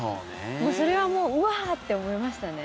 それはもううわーって思いましたね。